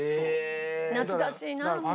懐かしいなあもう。